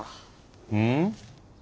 うん？